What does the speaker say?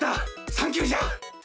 サンキューじゃ！